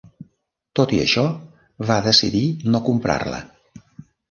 Tot i això, va decidir no comprar-la.